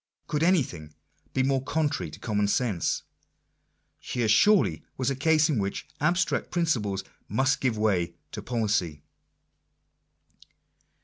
Gould anything be more contrary to common sense ? Here surely was a case in which " abstract principles " must give way to " policy."